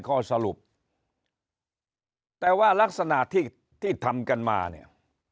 ข้อสรุปแต่ว่ารักษณะที่ที่ทำกันมาเนี่ย